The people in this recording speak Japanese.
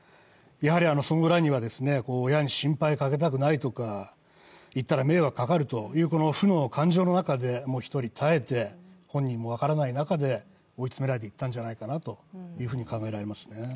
その裏には親に心配かけたくないとか言ったら迷惑がかかるという負の感情の中で一人耐えて、本人も分からない中で追い詰められていったんじゃないかなと考えますね。